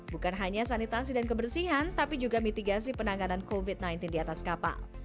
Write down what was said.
bukan hanya sanitasi dan kebersihan tapi juga mitigasi penanganan covid sembilan belas di atas kapal